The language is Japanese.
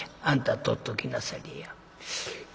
あんた取っときなされや」。